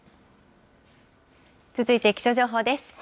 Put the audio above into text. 続いて気象情報です。